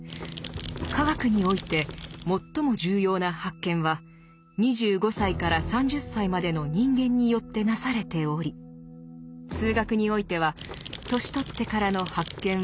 「化学において最も重要な発見は２５歳から３０歳までの人間によってなされ」ており「数学においては年取ってからの発見は極めて稀」。